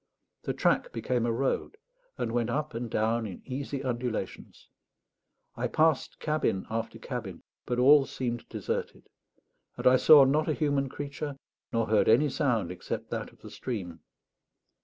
The track became a road, and went up and down in easy undulations. I passed cabin after cabin, but all seemed deserted; and I saw not a human creature, nor heard any sound except that of the stream.